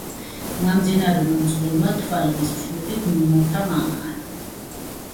ნამძინარევმა მძღოლმა თვალების ფშვნეტით მომართა მანქანა.